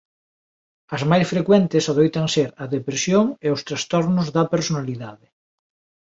As máis frecuentes adoitan ser a depresión e os trastornos da personalidade.